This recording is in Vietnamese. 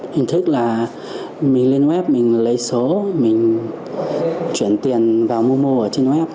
hình thức là mình lên web mình lấy số mình chuyển tiền vào mua mô ở trên web